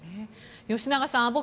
吉永さん